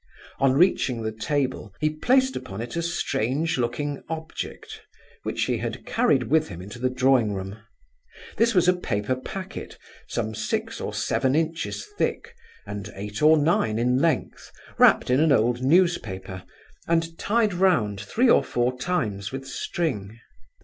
On reaching the table, he placed upon it a strange looking object, which he had carried with him into the drawing room. This was a paper packet, some six or seven inches thick, and eight or nine in length, wrapped in an old newspaper, and tied round three or four times with string.